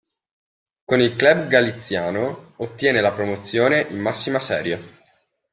Con il club galiziano ottiene la promozione in massima serie.